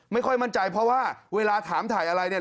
ไม่ค่อยมั่นใจเพราะว่าเวลาถามถ่ายอะไรเนี่ย